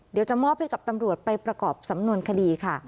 เดี๋ยวจะมอบให้กับตำรวจไปประกอบสำนวนคดีค่ะ